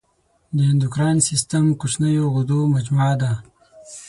د اندوکراین سیستم کوچنیو غدو مجموعه ده.